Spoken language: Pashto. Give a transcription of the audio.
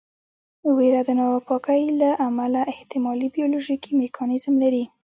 ویره د ناپاکۍ له امله احتمالي بیولوژیکي میکانیزم لري.